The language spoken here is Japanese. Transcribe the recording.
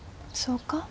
そうか？